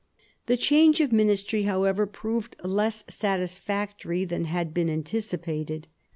The change of ministry, however, proved less satisfactory than had been anticipated.